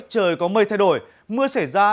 trời có mây thay đổi mưa xảy ra